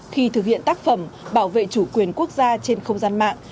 khi thực hiện tác phẩm bảo vệ chủ quyền quốc gia trên không gian mạng